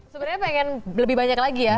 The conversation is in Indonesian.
sebenarnya pengen lebih banyak lagi ya